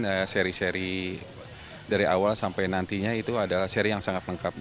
dan seri seri dari awal sampai nantinya itu adalah seri yang sangat lengkap